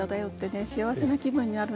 幸せな気分になるんですよ。